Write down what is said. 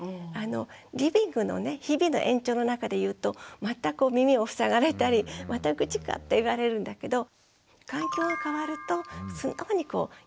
リビングのね日々の延長の中で言うと全く耳を塞がれたりまた愚痴かって言われるんだけど環境が変わると素直に聞けたって。